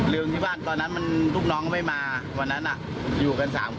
ลืมที่บ้านตอนนั้นมันลูกน้องไม่มาวันนั้นอ่ะอยู่กันสามคน